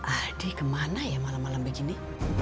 aduh kemana ya malam malam begini